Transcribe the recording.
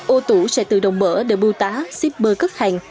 ô tủ sẽ tự động mở để bưu tá shipper cất hàng